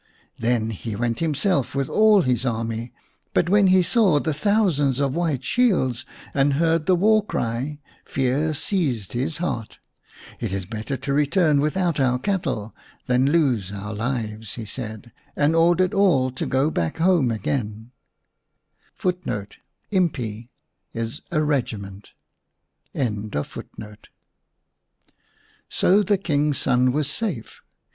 Then he went himself with all his army ; but when he saw the thousands of white shields and heard the war cry, fear seized his heart. "It is better to return without our cattle than lose our lives," he said, and ordered all to go back home again. So the King's son was safe.